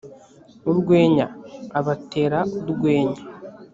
urwenya: abatera urwenya